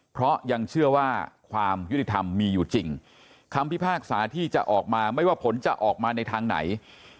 เพราะยังเชื่อว่าความยุติธรรมมีอยู่จริงคำพิพากษาที่จะออกมาไม่ว่าผลจะออกมาในทางไหน